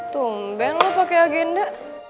tumben lo pake agenda